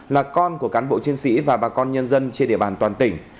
là con của cán bộ chiến sĩ và bà con nhân dân trên địa bàn toàn tỉnh